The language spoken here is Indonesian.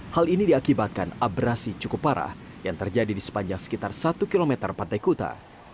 hal ini diakibatkan abrasi cukup parah yang terjadi di sepanjang sekitar satu km pantai kuta